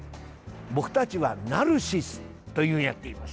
僕たちはナルシスと言っています。